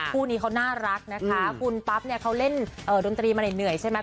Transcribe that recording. คู่นี้เขาน่ารักนะคะคุณปั๊บเนี่ยเขาเล่นดนตรีมาเหนื่อยใช่ไหม